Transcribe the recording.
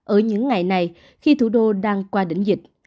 ở những ngày này khi thủ đô đang qua đỉnh dịch